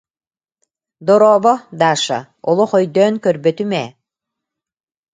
Дорообо, Даша, олох өйдөөн көрбөтүм ээ